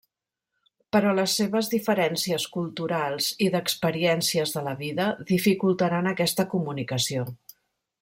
Però les seves diferències culturals i d'experiències de la vida dificultaran aquesta comunicació.